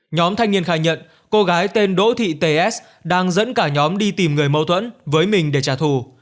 nhóm thanh niên khai nhận cô gái tên đỗ thị ts đang dẫn cả nhóm đi tìm người mâu thuẫn với mình để trả thù